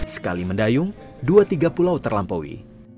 sekali mendayung dua tiga pulau terlampaui